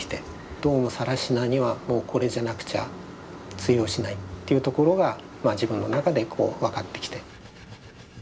どうも更科にはもうこれじゃなくちゃ通用しないというところが自分の中で分かってきて。